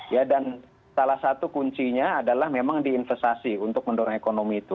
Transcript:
ya dan salah satu kuncinya adalah memang di investasi untuk mendorong ekonomi itu